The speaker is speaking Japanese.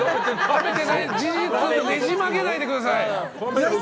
事実をねじ曲げないでください！